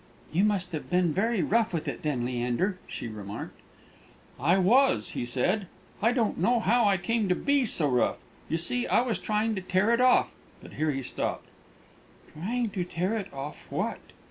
"You must have been very rough with it, then, Leander," she remarked. "I was," he said. "I don't know how I came to be so rough. You see, I was trying to tear it off " But here he stopped. "Trying to tear it off what?"